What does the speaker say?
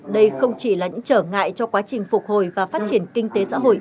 đây không chỉ là những trở ngại cho quá trình phục hồi và phát triển kinh tế xã hội